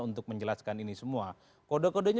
untuk menjelaskan ini semua kode kodenya